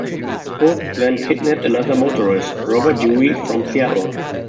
Cook then kidnapped another motorist, Robert Dewey, from Seattle.